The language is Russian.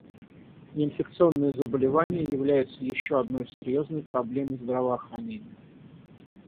Неинфекционные заболевания являются еще одной серьезной проблемой здравоохранения.